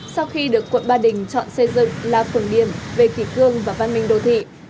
sau khi được quận ba đình chọn xây dựng là phường điểm về kỷ cương và văn minh đô thị